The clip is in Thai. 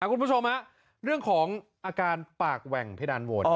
คุณผู้ชมเรื่องของอาการปากแหว่งเพดานโวน